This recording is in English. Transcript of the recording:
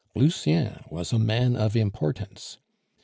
Lucien was a man of importance.